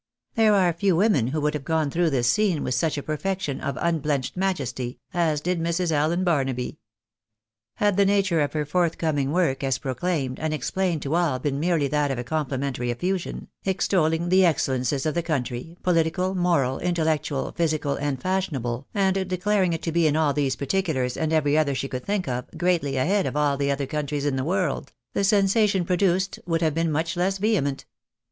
There are few women who could have gone through this scene with such a perfection of "unblenched majesty," as did Mrs. Allen Barnaby. Had the nature of her forthcoming work, as proclaimed and explained to all, been merely that of a complimentary effusion, extolling the excellences of the country, political, moral, intellectual, physical, and fashionable, and declaring it to be in all these particulars, and every other she could think of, greatly " ahead" of all the other countries in the world, the sensation produced would have been much less vehement.